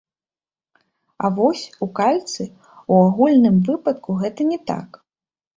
А вось у кальцы, у агульным выпадку, гэта не так.